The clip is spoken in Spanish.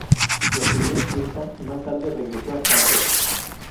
Residió en Suiza y más tarde regresó a Francia.